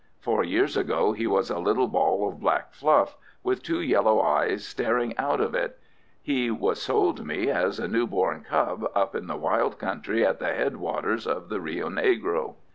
Four years ago he was a little ball of black fluff, with two yellow eyes staring out of it. He was sold me as a new born cub up in the wild country at the head waters of the Rio Negro.